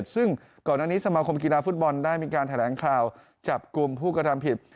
ซึ่งก่อนอันนี้สมาคมกีฬาฟุตบอลได้มีการแถลงข่าวจับกลุ่มผู้กระทำผิด